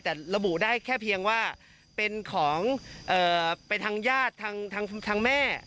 แต่ระบุได้แค่เพียงว่าเป็นของไปทางญาติทางแม่